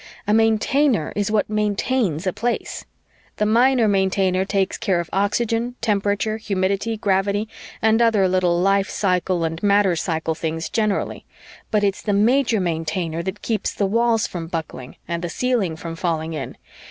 A Maintainer is what maintains a Place. The Minor Maintainer takes care of oxygen, temperature, humidity, gravity, and other little life cycle and matter cycle things generally, but it's the Major Maintainer that keeps the walls from buckling and the ceiling from falling in.